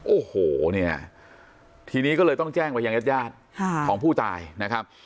โอ้โหเนี่ยทีนี้ก็เลยต้องแจ้งไปยังญาติยาดของผู้ตายนะครับ